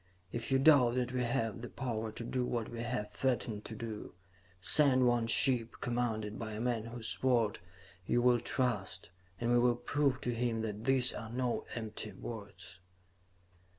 If you doubt that we have the power to do what we have threatened to do, send one ship, commanded by a man whose word you will trust, and we will prove to him that these are no empty words.'"